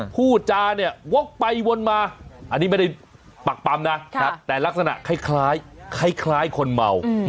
พูดจาเนี่ยวกไปวนมาอันนี้ไม่ได้ปักปำนะแต่ลักษณะคล้ายคนเมา